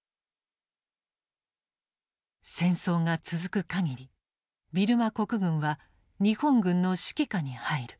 「戦争が続く限りビルマ国軍は日本軍の指揮下に入る」。